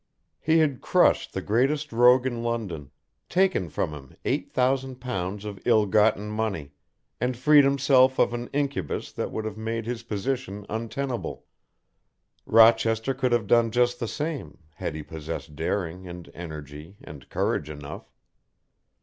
He had crushed the greatest rogue in London, taken from him eight thousand pounds of ill gotten money, and freed himself of an incubus that would have made his position untenable. Rochester could have done just the same, had he possessed daring, and energy, and courage enough.